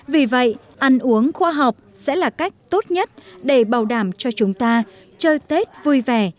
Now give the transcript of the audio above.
vì vậy ăn uống khoa học sẽ là cách tốt nhất để bảo đảm cho chúng ta chơi tết vui vẻ